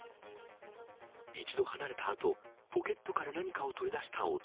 一度、離れたあと、ポケットから何かを取り出した男。